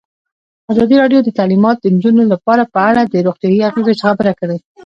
ازادي راډیو د تعلیمات د نجونو لپاره په اړه د روغتیایي اغېزو خبره کړې.